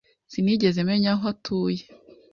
Sinigeze menya aho atuye.